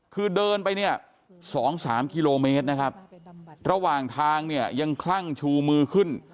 คือเดินไปเนี่ย๒๓กิโลเมตรนะครับระหว่างทางเนี่ยยังคลั่งชูมือขึ้น